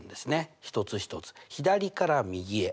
一つ一つ左から右へ。